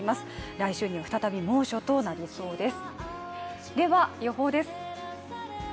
来週には再び猛暑となりそうです。